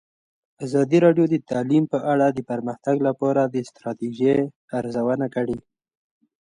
ازادي راډیو د تعلیم په اړه د پرمختګ لپاره د ستراتیژۍ ارزونه کړې.